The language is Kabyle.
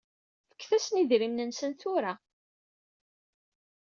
Fket-asen idrimen-nsen tura.